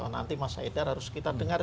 nanti mas haidar harus kita dengar